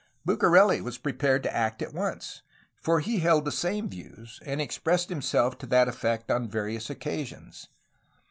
BucareU was prepared to act at once, for he held the same views, and expressed himself to that effect on various oc casions.